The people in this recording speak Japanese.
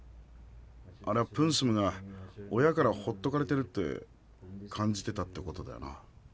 あれはプンスムが親からほっとかれてるってかんじてたってことだよな？